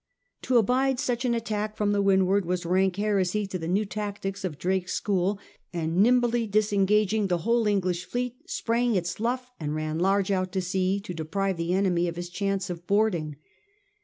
To abide such an attack from the vrindward was rank heresy to the new tactics of Drake's school, and nimbly disengaging, the whole English fleet sprang its luff and ran large out to sea, to deprive the enemy of his chance of boarding.